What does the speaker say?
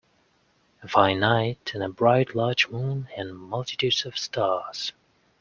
A fine night, and a bright large moon, and multitudes of stars.